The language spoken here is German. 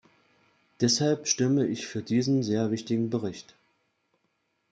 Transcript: Deshalb stimme ich für diesen sehr wichtigen Bericht.